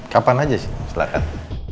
kapan aja sih silahkan